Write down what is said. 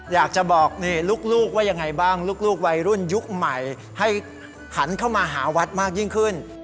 อยากจะบอกนี่ลูกว่ายังไงบ้างลูกวัยรุ่นยุคใหม่ให้หันเข้ามาหาวัดมากยิ่งขึ้น